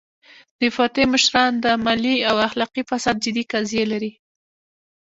د فتح مشران د مالي او اخلاقي فساد جدي قضیې لري.